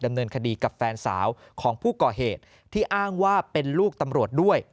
ดำเนินคดีกับแฟนสาวของผู้ก่อเหตุที่อ้างว่าเป็นลูกตำรวจด้วย